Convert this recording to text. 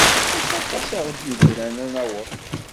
Mačči aṭas i ɣ-d-yeggran ad naweḍ.